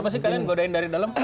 kenapa sih kalian godain dari dalam